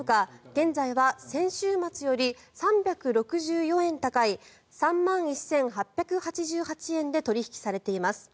現在は先週末より３６４円高い３万１８８８円で取引されています。